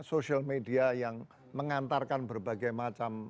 social media yang mengantarkan berbagai macam